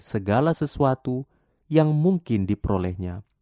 segala sesuatu yang mungkin diperolehnya